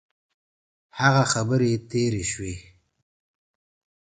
هغه خبري تیري سوې.